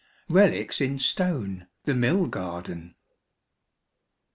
Relics in Stone, the Mill Garden.